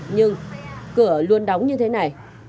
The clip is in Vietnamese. nhưng cửa luôn đóng như thế này